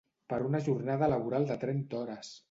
Per una jornada laboral de trenta hores!